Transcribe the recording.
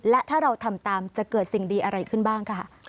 และถ้าเราทำตามจะเกิดสิ่งดีอะไรขึ้นบ้างค่ะ